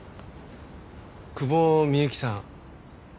久保美幸さん？